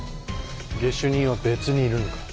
下手人は別にいるのか？